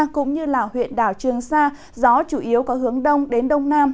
cũng như là huyện đảo trường sa gió chủ yếu có hướng đông đến đông nam